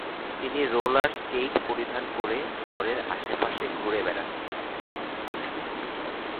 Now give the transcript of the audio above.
তিনি roller skate পরিধান করে ঘরের আশপাশে ঘুরে বেড়াতেন ।